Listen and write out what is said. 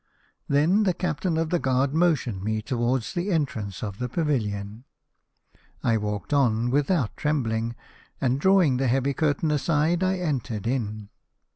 " Then the captain of the guard motioned me towards the entrance of the pavilion. I walked on without trembling, and drawing the heavy curtain aside I entered in.